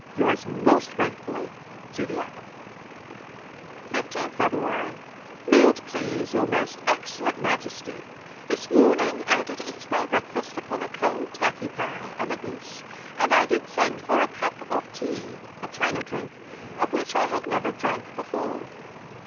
Yours most gratefully, Judy Abbott 15th Feb. May it please Your Most Excellent Majesty: This morning I did eat my breakfast upon a cold turkey pie and a goose, and I did send for a cup of tee (a china drink) of which I had never drank before.